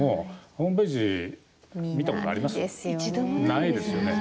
ないですよね。